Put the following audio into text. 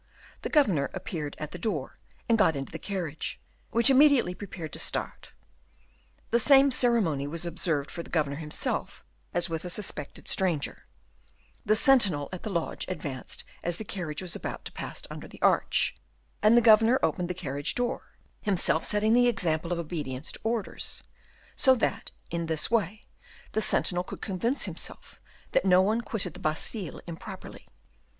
The governor appeared at the door, and got into the carriage, which immediately prepared to start. The same ceremony was observed for the governor himself as with a suspected stranger; the sentinel at the lodge advanced as the carriage was about to pass under the arch, and the governor opened the carriage door, himself setting the example of obedience to orders; so that, in this way, the sentinel could convince himself that no one quitted the Bastile improperly.